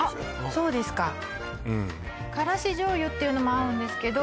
そうですかうんからし醤油っていうのも合うんですけど